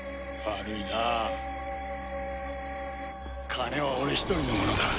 金は俺一人のものだ。